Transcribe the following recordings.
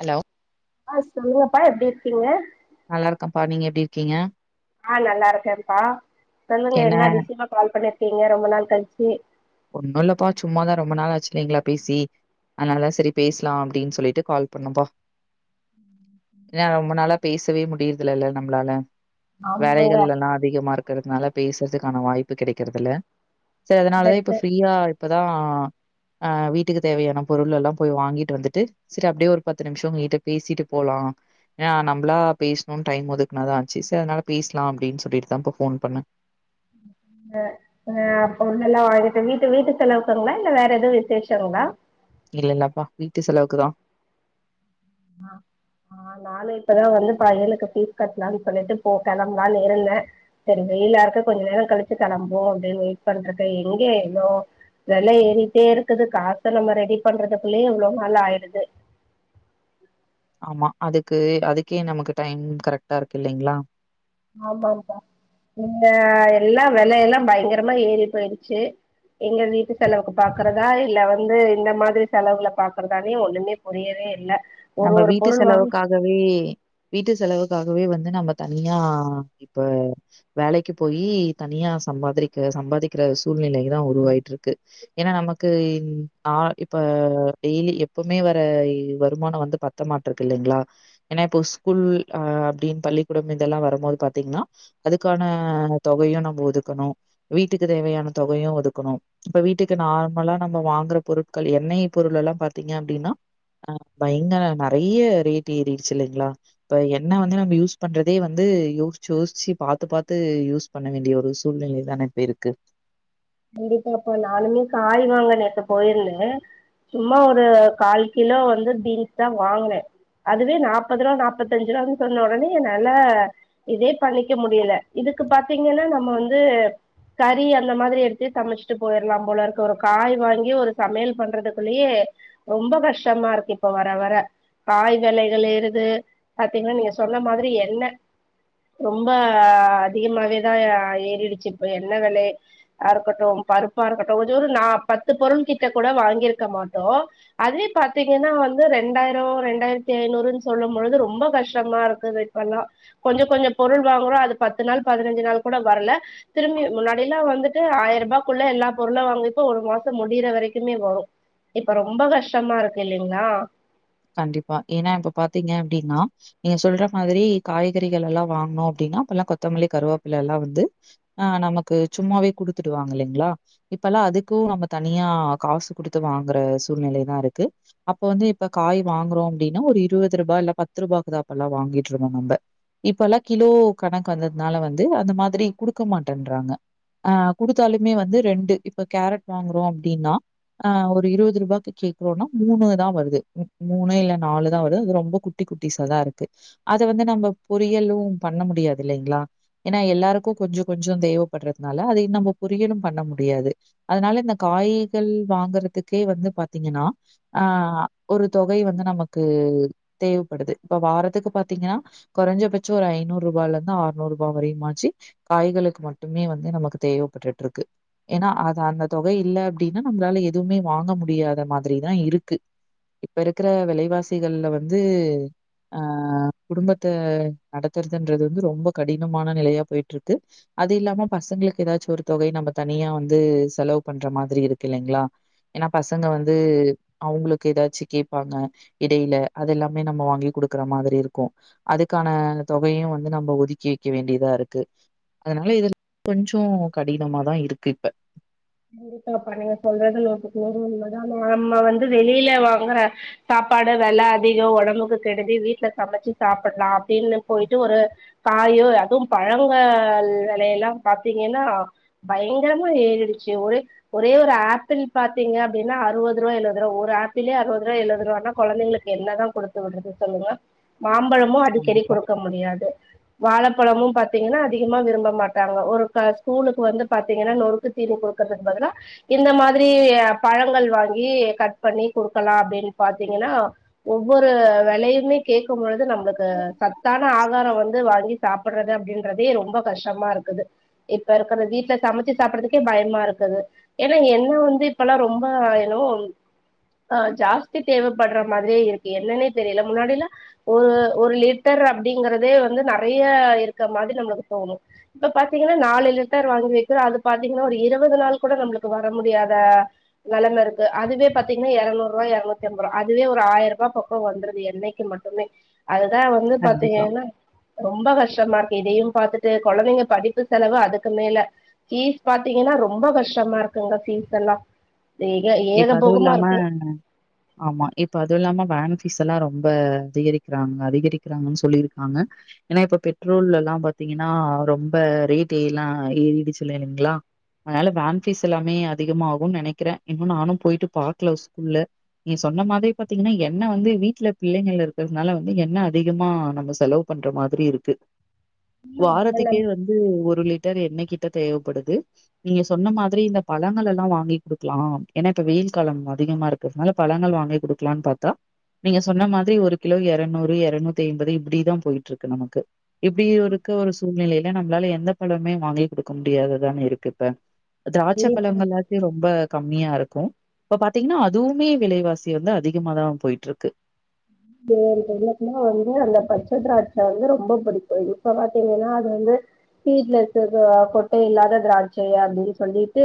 Hello ஆஹ் சொல்லுங்கப்பா எப்டி இருக்கீங்க நல்லா இருக்கப்பா நீங்க எப்டி இருக்கீங்க ஆஹ் நல்லா இருக்கேன்ப்பா சொல்லுங்க என்ன அதிஷயமா கால் பண்ணிரு க்கீங்க ரொம்ப நாள் கழுச்சு ஒண்ணும் இல்லப்பா சும்மாதான் ரொம்ப நாள் ஆச்சு இலைங்களா பேசி அதனாலதான் சரி பேசலாம் அப்டின் சொல்லிட்டு கால் பண்னேப்பா ஏன்னா ரொம்ப நாளா பேசவே முடியுறதுல்ல நம்மளால ஆமாங்க வேலைகள்லலாம் அதிகமா இருக்கு இருக்கறதுனால பேசுறதுக்கான வாய்ப்பு கெடைக்கறதுல சரி அதனாலதான் இப்ப பெட்டு ஐயா இப்பதான் ஆஹ் வீட்டுக்கு தேவையான பொருள் எல்லாம் போய் வாங்கிட்டு வந்துட்டு சரி அப்டியே ஒரு பத்து நிமிஷம் உங்ககிட்ட பேசிட்டு போலாம் ஏன்னா நம்மளா பேசணும்னு டைம் ஒதுக்குனாதான் ஆச்சு சரி அதனால பேசலாம் அப்டின்னு சொல்லிட்டுதான் இப்ப போன் பண்ணே ஹ ஹ பொருளெல்லாம் வாங்கிட்டு வீட்டு வீட்டு செலவுக்குங்களா இல்ல வேற எதுவும் விசேஷங்களா இல்லல்லப்பா வீட்டு செலவுக்குதான் ஹ் ஆஹ் நானும் இப்பதான் வந்து பையனுக்கு பீஸ் கட்டலாம்னு சொல்லிட்டு போ கிளம்பலாம்னு இருந்தேன் சரி வெயிலா இருக்கு கொஞ்ச நேரம் கழிச்சு கிளம்புபோம் அப்டின்னு வெயிட் பண்ட்டுருக்கேன் எங்க எவ்ளோ வெல ஏறிட்டே இருக்குது காச நம்ம ரெடி பண்றதுக்குள்ளயே இவ்வளவு நாள் ஆயிடுது ஆமா அதுக்கு அதுக்கே நமக்கு டைம் கரெட்டா இருக்கு இல்லைங்ளா ஆமாம்பா இங்க எல்லா வெலையெல்லா பய்ங்கரமா ஏறி போயிடுச்சு எங்க வீட்டு செலவுக்கு பாக்கறதா இல்ல வந்து இந்த மாதிரி செலவுகல பாக்குறதானே ஒண்ணுமே புரியவே இல்ல ஒரு நம்ம ஒரு வீட்டு பொருள் வாங்க செலவுக்காகவே வீட்டு செலவுக் க்காகவே வந்து நம்ம தனியா இப்ப வேலைக்கு போயி தனியா சம்பாதிரிக்க சம்பாதிக்கிற சூழ்நிலை தா உருவாயிட்ருக்கு ஏனா நமக்கு இந் ஆ இப்ப டெய்லி எப்பம்மே வர வ ருமான வந்து பத்த மாட்றுக் இல்லைங்ளா ஏன்னா இப்ப ஸ்கூல் ஆ அப்டின் பள்ளிக்கூடம் இதெல்லா வரும்போது பாத்தீங்னா அதுக்கான தொகையு நம்ம ஒதுக்கணு வீட்டுக்கு தேவையான தொகையு ஒதுக்கணு இப்ப வீட்டுக்கு நார்மலா நம்ம வாங்குற பொருட்கள் எண்ணெய் பொருளெல்லா பாத்தீங்க அப்டின்னா ஆ பயங்கர நெறைய ரேட் ஏறிடுச்சு இல்லைங்ளா இப்ப என்ன வந்து நம்ம யூஸ் பண்றதே வந்து யோசிச்சு யோசிச்சு பாத்து பாத்து யூஸ் பண்ண வேண்டிய ஒரு சூழ்நிலைதான இப்ப இருக்கு கண்டிப்பாப்பா நானுமே காய் வாங்க நேத்து போயிருந்தே சும்மா ஒரு கால் கிலோ வந்து பீன்ஸ் தா வாங்குனே அதுவே நாப்பதுருவா நாப்பத்தஞ்சு ருவானு சொன்ன ஒடனே என்னால இதே பண்ணிக்க முடில இதுக்கு பாத்தீங்கனா நம்ம வந்து கறி அந்த மாதிரி எடு த்து சமச்ட்டு போயர்லாம் போலருக்கு ஒரு காய் வாங்கி ஒரு சமையல் பண்றதுக்குள்ளயே ரொம்ப கஷ்டமா இருக்கு இப்ப வர வர காய் வெலைகள் ஏறுது பாத்தீங்கனா நீங்க சொன்ன மாதிரி எண்ண ரொம்ப அதிகமாவேதா ஏறிடுச்சு இப்ப எண்ண வெலயே ஆருக்கட்டும் பருப்பாருக்கட்டு கொஞ்ச ஒரு நா பத்து பொருள் கிட்ட கூட வாங்கிருக்க மாட்டோ அதுவே பாத்தீங்கன்னா வந்து ரெண்டாயிரோ ரெண்டாயிரத்தி ஐநூறுன் சொல்லும் பொழுது ரொம்ப கஷ்டமாருக்குது இப்பல்லா கொஞ்ச கொஞ்ச பொருள் வாங்குறோ அது பத்து நாள் பதினஞ்சு நாள் கூட வர்ல திரும்பியு முன்னாடியெல்லா வந்துட் டு ஆயருபாக்குள்ள எல்லா பொருளு வாங்கிப்போ ஒரு மாசம் முடியிற வரைக்குமே வரு இப்ப ரொம்ப கஷ்டமாருக்கு இல்லிங்ளா கண்டிப்பா ஏனா இப்ப பாத்தீங்க அப்டின்னா நீங்க சொல்ற மாதிரி காய்கறிகளெல்லா வாங்னோ அப்டினா இப்பல்லா கொத்தமல்லி கருவேப்பில எல்லா வந்து ஆ நமக்கு சும்மாவே குடுத்துட்டுவாங்க இல்லெங்ளா இப்பல்லா அதுக்கும் நம்ம தனியா காசு குடுத்து வாங்குற சூழ்நிலைதா இருக்கு அப்ப வந்து இப்ப காய் வாங்குறோ அப்டின்னா ஒரு இருவது ரூபா இல்ல பத்து ரூபாக்கு தா அப்பல்லா வாங்கிட்ருந்தோ நம்ப இப்பல்லா கிலோ கணக்கு வந்ததுனால வந்து அந்த மாதிரி குடுக்க மாட்டேன்றாங்க ஆ குடுத்தாலுமே வந்து ரெண்டு இப்ப கேரட் வாங்குறோ அப்டின்னா அ ஒரு இருவது ரூபாக்கு கேக்குறோனா மூணு தா வருது மூணு இல்ல நாலுதா வரு அது ரொம்ப குட்டி குட்டிசாதாருக்கு அத வந்து நம்ம பொரியலு பண்ண முடியாதில்லைங்ளா என்னா எல்லாருக்கு கொஞ்சோ கொஞ்சோ தேவப்பட்றதுனால அதயு நம்ம பொரியலும் பண்ண முடியாது அதனால இந்த காய்கள் வாங்கறதுக்கே வந்து பாத்தீங்கன்னா ஆ ஒரு தொகை வந்து நமக்கு தேவப்படுது இப்ப வாரத்துக்கு பாத்தீங்கனா கொறஞ்சபச்சோ ஒரு ஐநூறு ரூபாலந்து ஆற்நூ ருபா வரையுமாச்சு காய்களுக்கு மட்டுமே வந்து நமக்கு தேவப்பட்டுட்ருக்கு ஏனா அது அந்த தொகை இல்ல அப்டின்னா நம்ளால எதுமே வாங்க முடியாத மாதிரிதா இருக்கு இப்ப இருக்குற வெலைவாசிகள்ல வந்து ஆ குடும்பத்த நடத்துறதுன்றது வந்து ரொம்ப கடினமான நிலையா போயிட்ருக்கு அது இல்லாம பசங்ளுக்கு எதாச்சு ஒரு தொகை நம்ப தனியா வந்து செலவு பண்ற மாதிரி இருக்கு இல்லைங்ளா என்னா பசங்க வந்து அவுங்களுக்கு எதாச்சு கேப்பாங்க இடையில அதெல்லாமே நம்ம வாங்கி குடுக்குற மாதிரி இருக்கு அதுக்கான தொகையு வந்து நம்ப ஒதுக்கி வைக்க வேண்டியதாருக்கு அதுனால இது கொஞ்ச கடினமாதா இருக்கு இப்ப கண்டிப்பாப்பா நீங்க சொல்றது நூத்துக்கு நூறு உண்மதா நம்ம வந்து வெளில வாங்கற சாப்பாட வெல அதிகொ ஒடம்புக்கு கெடுதி வீட்ல சமச்சு சாப்புட்லா ப்டினு போயிட்டு ஒரு காயோ அதுவு பழங்கள் வெலையெல்லா பாத்தீங்கன்னா பயங்கரமா ஏறிடுச் சு ஒரே ஒரே ஒரு ஆப்பிள் பாத்தீங்க அப்டினா அறுவது ருவா எழுவது ருவா ஒரு ஆப்பிளே அறுவது ருவா எழுவது ருவானா கொழந்தைங்ளுக்கு என்னதா குடுத்து விட்றது சொல்லுங்க மாம்பழமு அடிக்கடி கண்டிப்பா, குடுக்க முடியாது வாழப்பழமு பாத்தீங்கனா அதிகமா விரும்ப மாட்டாங்க ஒரு த ஸ்கூலுக்கு வந்து பாத்தீங்கனா நொறுக்கு தீனி குடுக்றதுக்பதுலா இந்த மாதிரி பழங்கள் வாங்கி கட் பண்ணி குடுக்கலா அப்டின் பாத்தீங்கனா ஒவ்வொரு வெலையுமே கேக்கும்போ து நம்ளுக்கு சத்தான ஆதாரோ வந்து வாங்கி சாப்புட்றது அப்டின்றதே ரொம்ப கஷ்டமாருக்குது இப்பருக்குற வீட்ல சமச்சி சாப்பறதுக் கே பயமாருக்குது ஏனா எண்ண வந்து இப்பல்லா ரொம்ப என்னவோ அ ஜாஸ்தி தேவப்பட்ற மாதிரியே இருக்கு என்னனே தெரியல முன்னாடிலா ஒரு ஒரு லிட்டர் அப்டிங்கறதே வந்து நெறைய இருக்க மாதிரி நம்மளுக்கு தோணு இப்ப பாத்தீங்கனா நாலு லிட்டர் வாங்கி வைக்கிறோ அது பா பாத்தீங்னா ஒரு இருவது நாள் கூட நம்ளுக்கு வர முடியாத நெலமருக்கு அதுவே பாத்தீங்னா எரநூருவா எருநூத்தி அம்பருவா அதுவே ஒரு ஆயருபா பக்கொ வந்துருது எண்ணைக்கு மட்டுமே அதுதா வந்து கண்டிப்பா. பாத்தீங்கெனா ரொம்ப கஷ் டமாருக்கு இதையு பாத்துட்டு கொழந்தைங்க படிப்பு செலவு அதுக்கு மேல ஃபீஸ் பாத்தீங்கனா ரொம்ப கஷ்டமாருக்குங்க ஃபீஸ் எல்லா ஏக இப்ப ஏகபோகமா அதுவுல்லாம இருக்கு ஆமா இப்ப அதுவுல்லாம வேன் ஃபீஸ் எல்லா ரொம்ப அதிகரிக்குறாங்க அதிகரிக்கிறாங்கனு சொல்லிருக்காங்க எனா இப்ப பெட்ரோல் எல்லா பாத்தீங்கன்னா ரொம்ப ரேட் எல்லா ஏறிடுச்சு இல்லேங்ளா அனால வேன் ஃபீஸ் எல்லாமே அதிகமாகுனு நெனக்கிறே இன்னு நானு போயிட்டு பாக்ல ஸ்கூல்ல நீ சொன்ன மாதிரி பாத்தீங்கனா எண்ண வந்து வீட்ல பிள்ளைங்கள் இருக்கிறதுனால வந்து எண்ண அதிகமா நம்ம செலவு பண்ற மாதிரி இருக்கு வாரத்துக்கே வந்து ஒ ஒரு லிட்டர் எண்ணெ கிட்ட தேவப்படுது நீங்க சொன்ன மாதிரி இந்த பழங்கள் எல்லா வாங்கி குடுக் க்கலா ஏனா இப்ப வெயில் காலம் அதிகமா இருக்றதுனால பழங்கள் வாங்கி குடுக்லான் பாத்தா நீங்க சொன்ன மாதிரி ஒரு கிலோ எரநூறு எரநூத்தி ஐம்பது இப்டிதா போயிட்ருக்கு நமக்கு இப்டி இருக்க ஒரு சூழ்நிலைல நம்ளால எந்த பழமே வாங்கி குடுக்க முடியாததானே இருக்கு இப்ப திராட்ச கண்டிப்பா பழங்கள்லாத்தை ரொம்ப கம்மியா இருக்கு இப்ப பாத்தீங்கனா அதுவுமே விலைவாசி வந்து அதிகமாதா போயிட்ருக்கு [unintelligible] வந்து அந்த பச்ச திராட்ச வந்து ரொம்ப புடிக்கு இப்ப பாத்தீங்கனா அது வந்து வீட்ல இருக்கது கொட்டை இல்லாத திராட்சை அப்டினு சொல்லிட்டு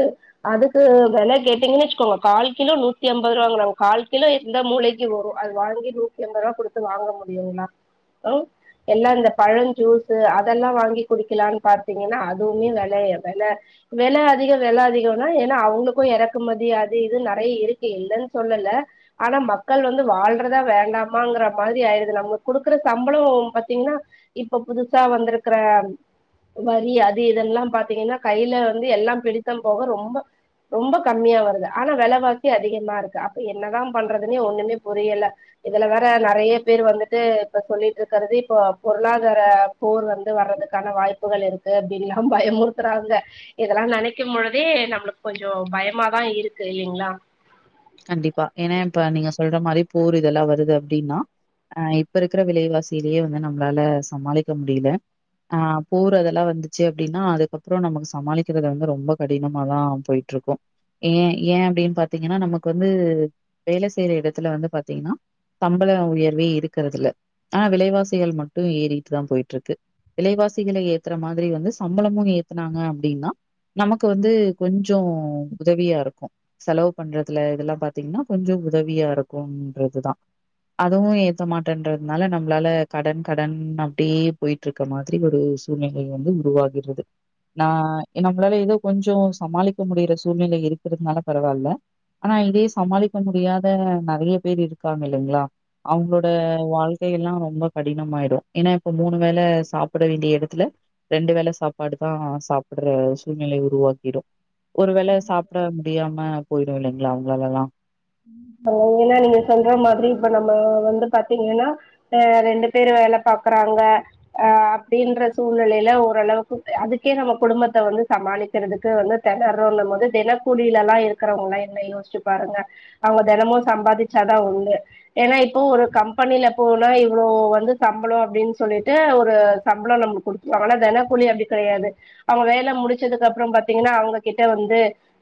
அதுக்கு வெல கேட்டீங்கன் வச்சுக்கோங்க கால் கிலோ நூத்தி அம்பது ருவாங்குறாங் கால் கிலோ எந்த மூலைக்கி வரு அது வாங்கி எம்பருவா குடுத்து வாங்க முடியுங்ளா. ஆ எல்லா அந்த பழம் ஜூஸ்ஸூ அதெல்லா வாங்கி குடிக்கலான்னு பாத்தீங்கன்னா அதுவுமே வெலைய வெல வெல அதிகோ வெல அதிகோன ஏனா அவங்ளுக்கு எறக்குமதி அது இணதுன நெறய ருக்கு யில்லன்னு சொல்லல ஆனா மக்கள் வந்து வாழ்றதா வேண்டாம் ங்கிற மாதிரி ஆயிடுது நம்ம குடுக்ற சம்பளோ பாத்தீங்கன்னா இப்ப புதுசா வந்திருக்கிற வரி அது இதெல்லா பாத்தீங்கன்னா கையில வந்து எல்லா பிடித்தம் போக ரொம்ப ரொம்ப கம்மியா வருது ஆனா வெலவாசி அதிகமாருக்கு அப்ப யென்னதா பண்றதுனு ஒண்ணுமே புரியல யிதுல வேற நறய பேர் வந்துட்டு இப்ப சொல்லிட்டுருக்கறது இப்போ பொருளாதார போர் வந்து வர்றதுக்கான வாய்ப்புகள் இருக்கு அப்படின்லா பயமுறுத்துறாங்க இதெல்லா நெனைக்கு பொழுதே நம்மளுக்கு கொஞ்சு பயமாதாருக்கு இல்லைங்களா கண்டிப்பா ஏனா யிப்ப நீங்க சொல்ற மாரி போர் யிதெல்லா வருது அப்டின்னா ஆ இப்பருக்கிற விலைவாசியிலயே வந்து நம்மளால சமாளிக்க முடில ஆ போரு அதெல்லா வந்துச்சு அப்டினா அதுக்கப்றோ நமக்கு சமாளிக்கறது வந்து ரொம்ப கடினமா தா போயிட்டுருக்கு ஏ ஏன் அப்டின்னு பாத்தீங்கன்னா நமக்கு க்கு வந்து வேலை செய்யர எடத்துல வந்து பாத்தீங்கன்னா சம்பள உயர்வேயிருக்கறதுயில்ல ஆனா விலைவாசிகள் மட்டு ஏறிட்டு தா போயிட்ருக்கு விலைவாசிகளை ஏத்துற மாதிரி வந்து சம்பளமும் ஏத்துனாங்க அப்டின்னா நமக்கு வந்து கொஞ்சு உதவியாருக்கு செலவு பண்ற ல இதுலெல்லா பாத்தீங்கன்னா கொஞ்சு உதவியா யிருக்கும் என்றதுதா அதுவு ஏத்த மாட்டேன்றதுனால நம்ளால கடன் கடன் அப்டியே போயிட்டுருக்க மாதிரி ஒரு சூழ்நிலை வந்து உருவாகிறது நா நம்மளால ஏதோ கொஞ்சு சமாளிக்க முடியிற சூழ்நிலையிருக்கிறதுனால பரவால்ல ஆனா இதே சமாளிக்க முடியாத நெறய பேர் இருக்காங்கல்லைங்களா அவங்களோட வாழ்க்கை யெல்லா ரொம்ப கடினமாயிடும் ஏனா யிப்ப மூணு வேல சாப்பிட வேண்டிய யிடத்துல ரெண்டு வேல சாப்பாடுதா சாப்பிடுற சூழ்நிலை உருவாக்கிடு ஒரு வேள சாப்ட முடியாம போயிடு இல்லைங்களா அவங்களால்லா ஏன்னா நீங்க சொல்ற மாதிரி இப்ப நம்ம வந்து பாத்தீங்கன்னா அ ரெண்டு பேரு வேல பாக்குறாங்க ஆ அப்டின்ற சூழ்நிலையில ஓரளவுக்கு அதுக்கே நம்ம குடும்பத்த வந்து சமாளிக்கிறதுக்கு வந்து திணறோனும்போது தினக்கூலியலல்லா இருக்கறவங்களா என்ன யோசிச்சு பாருங்க அவங்க தெனமு சம்பாதிச்சாதா உண்டு ஏன்னா இப்போ ஒரு கம்பெனியில போனா இவ்ளோ வந்து சம்பளோ அப்டின்னு சொல்லிட்டு ஒரு சம்பளம் நம்மளுக்கு குடுத்துவாங்கனா தென கூலி அப்டி கெடயாது அவங்க வேல முடிச்சதுக்கு அப்றம் பாத்தீங்கன்னா அவங்ககிட்ட வந்து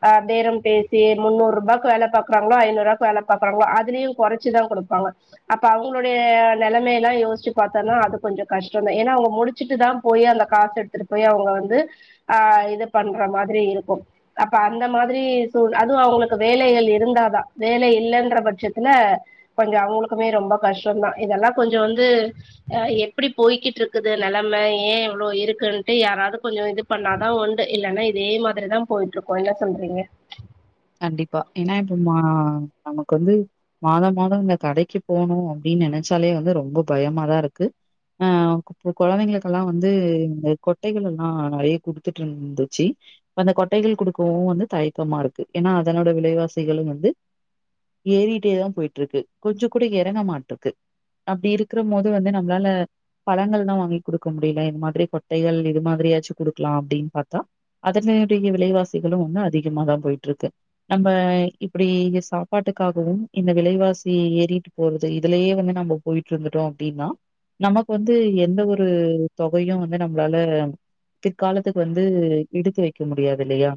ஆ பேரம் பேசி முன்னூறுபாக்கு வேல பாக்குறா ஐநூறாக்கு வேல பாக்ராங்களோ அதுலயு குறச்சிதா குடுப்பாங்க அப்ப அவங்ளுடய நெலமயலா யோசிச்சு பாத்தோனா அது கொஞ்சு கஷ்டந்தா ஏனா அவங்க முடிச்சிட்டு தா போய் அந்த காசு எடுத்துட்டு போய் அவங்க வந்து ஆ இது பண்ற மாதிரியிருக்கு அப்ப அந்த மாதிரி சூழ் அது அவங்களுக்கு வேலைகள் இருந்தாத தா வேல யில்லன்ற பட்சத்துல கொஞ்சு அவங்களுக்குமே ரொம்ப கஷ்டந்தா இதெல்லாம் கொஞ்சு வந்து ஆ எப்டி போயிக்கிட்ருக்குது நெலம ஏ இவ்ளோயிருக்குன்ட்டு யாராவது கொஞ்சு இது பண்ணாதா உண்டு யில்லைன்னா யிதே மாதிரிதான் போயிட்டுருக்கு என்ன சொல்றீங்க கண்டிப்பா ஏன்னா இப்போ மா நமக்கு வந்து மாதம் மாதோ இந்த கடைக்கு போனு அப்டின்னு நெனைச்சாலே வந்து ரொம்ப பயமாதாருக்கு ஆ கொழந்தைங்களுக்கெல்லா வந்து இந்த கொட்டைகளேல்லா நெறய குடுத்துட்ருந்துச்சு அந்த கொட்டைகள் குடுக்கவு வந்து தயக்கமாருக்கு க்கு ஏனா அதனோட விலைவாசிகளு வந்து ஏறிட்டேதா போயிட்ருக்கு கொஞ்சக்கூட எறங்க மாட்ருக்கு அப்டிருக்கிறம்போது வந்து நம்மளால பழங்கள்லா வாங்கி குடுக்க முடியில இந்த மாதிரி கொட்டைகள் இது மாதிரியாச்சு குடுக்கலா அப்டின்னு பாத்தா அதனுடைய விலைவாசிகளும் வந்து அதிகமா தா போயிட்ருக்கு ட்ருக்கு நம்ம இப்டி சாப்பாட்டுக்காகவும் இந்த விலைவாசி ஏறிட்டு போறது இதுலயு வந்து நம்ம போயிட்ருந்துட்டோ அப்டின்னா நமக்கு வந்து எந்த ஒரு தொகயு வந்து நம்மளால பிற்காலத்துக்கு வந்து எடுத்து வெக்க முடியாதில்லையா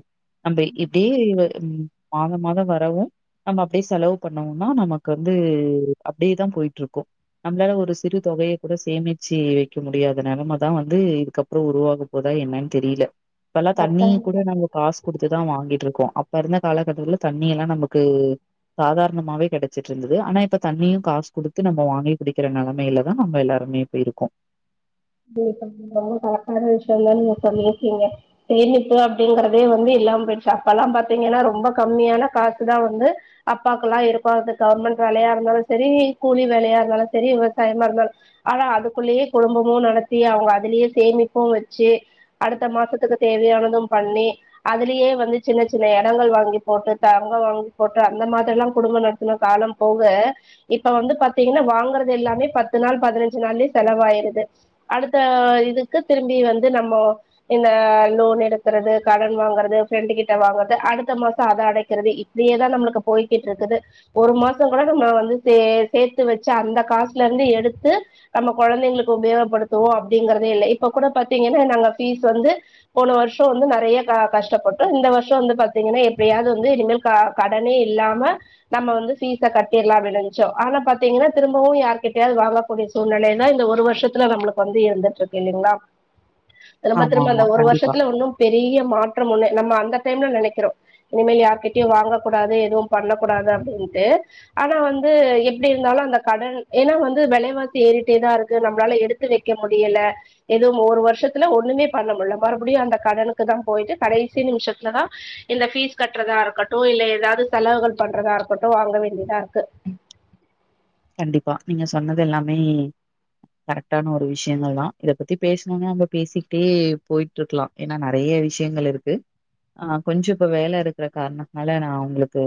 நம்ம இப்டியே மாதோ மாதோ வரவு நம்ம அப்டியே செலவு பண்ணோனா நமக்கு வந்து அப்டியேதா போயிட்ருக்கு நம்மளால ஒரு சிறு தொகய கூட சேமிச்சு வெக்க முடியாத நெலமதா வந்து இதுக்கப்றோ உருவாக போதா என்னன்னு தெரியல இப்பெல்லா தண்ணிய கரெக்டான கூட நம்ம காசு குடுத்துதா வாங்கிட்ருக்கோ அப்பிறந்த காலகட்டத்துல தண்ணியெல்லா நமக்கு சாதாரணமாவே கெடச்சிட்ருந்தது ஆனா இப்ப தண்ணியு காசு குடுத்து நம்ம வாங்கி குடிக்ற நெலமையிலதா நம்மயெல்லாருமே இப்பருக்கோ [unintelligible] ரொம்பகரக்ட்டான விஷயந்தா நீங்க சொல்லிருக்கீங்க சேமிப்பு அப்டிங்றதே வந்துயில்லாம போயிடுச்சு அப்பல்லா பாத்தீங்கன்னா ரொம்ப கம்மியான காசு தாவந்து அப்பாக்குல்லாருக்கு அது கவர்மெண்ட் வேலையாருந்தாலு சரி கூலி வேலையாருந்தாலு சரி விவசாயமாருந்தாலு ஆனா அதுக்குள்ளேயே குடும்பமும் நடத் சி அவுங்க அதுலியே சேமிப்பூ வெச்சி அடுத்த மாசத்துக்கு தேவீயானதும் பண்ணி அதுலியே வந்து சின்ன சின்ன எடங்கள் வாங்கி போட்டு தங்கோ வாங்கி போட்டு அந்த மாதிரிலா குடும்ப நடத்தின காலம் போக இப்ப வந்து பாத்தீங்னா வாங்கறதெல்லாமே பத்து நாள் பதினஞ்சு நாள்லே செலவாயிருது அடுத்த இதுக்கு திரும்பி வந்து நம்மோ இந்த லோன் எடுக்கறது கடன் வாங்கறது ஃப்ரெண்ட்டு கிட்டே வாங்கறது அடுத்த மாசோ அத அடக்கிறது இப்டியேதா நம்முளுக்கு போய்கிட்யிருக்குது ஒரு மாசோ கூட நம்ம வந்து சே சேத்து வெச்சு அந்த காசுலந்து எடுத்து நம்ம கொழந்தைங்களுக்கு உபயோகப்படு தோ அப்டிங்கறதேயில்லே இப்ப கூட பாத்தீங்கனா நாங்க ஃபீஸ் வந்து போன வர்ஷோ வந்து நெறைய க கஷ்டப்பட்டோ இந்த வர்ஷோ வந்து பாத்தீங்கனா எப்டியாது வந்து இன்மேல் க கடனே இல்லாம நம்ம வந்து ஃபீஸ்சா கட்டிர்லா அப்டி நென்ச்சோ ஆனா பாத்தீங்கனா திரும்பவு யார்கிட்டயாவது வாங்கக்கூடிய சூழ்நிலைதா இந்த ஒரு வருஷத்துல நம்ளுக் வந்து இருந்துட்ருக்கு இல்லிங்ளா திரும்ப ஆமா திரும்ப அந்த ஆமா ஒரு கண்டிப்பா வர்ஷத்துல ஒண்ணோ பெரிய மாற்றம் ஒண்ணு நம்ம அந்த டைம்ல நெனைக்கிறோ இனிமேல் யார்கிட்டயு வாங்கக்கூடாது எதுவும் பண்ணக்கூடாது அப்டின்ட்டு ஆனா வந்து எப்டி இருந்தாலு அந்த கடன் ஏனா வந்து வெலவாசி ஏறிட்டேதா இருக்கு நம்ளால எடுத் து வெக்க முடியலே எதுவு ஓர் வர்ஷத்துல ஒண்ணுமே பண்ண முல்லே மறுபடியு அந்த கடனுக்குதா போயிட்டு கடைசி நிம்ஷத்துலதா இந்த ஃபீஸ் கட்றதா இருக்கட்டோ இல்லே எதாது செலவுகள் பண்றதா இருக்கட்டோ வாங்க வேண்டியதாருக்கு கண்டிப்பா நீங்க சொன்னதெல்லாமே கரெக்டான ஒரு விஸ்யோங்கள்தா இத பத்தி பேஸ்னோனா நம்ப பேசிக்ட்டே போயிட்டுருக்லா ஏனா நெறைய விஷயங்கள் இருக்கு ஆ கொஞ்சோ இப்ப வேல இருக்கிற காரணத்துனாலே நா உங்ளுக்கு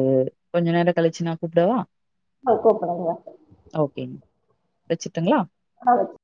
கொஞ்ச நேரோ கழிச்சு நா கூப்ட்டவா ஆ [unintelligible] ஓகேங்க வெச்சுட்டுங்ளா ஆ